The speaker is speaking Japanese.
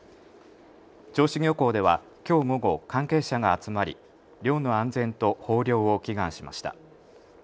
銚子漁港ではきょう午後、関係者が集まり漁の安全と豊漁を祈願しました。